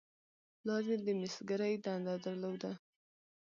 پلار یې د مسګرۍ دنده درلوده.